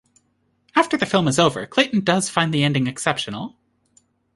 After the film is over Clayton does find the ending exceptional.